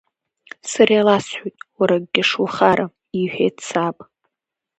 Сара иласҳәоит уара акгьы шухарам, — иҳәеит саб.